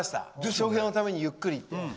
翔平のためにゆっくりって。